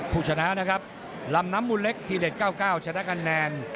ผู้ชนะนะครับลำน้ำมูลเล็กทีเด็ด๙๙ชนะคะแนน